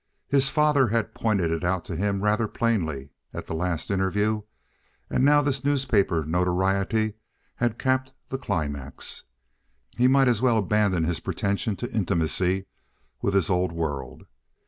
His father had pointed it out to him rather plainly at the last interview, and now this newspaper notoriety had capped the climax. He might as well abandon his pretension to intimacy with his old world.